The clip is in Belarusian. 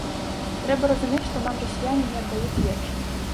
Трэба разумець, што нам расіяне не аддаюць лепшых.